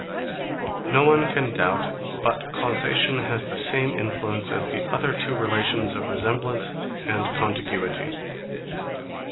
No one can doubt but causation has the same influence as the other two relations of resemblance and contiguity.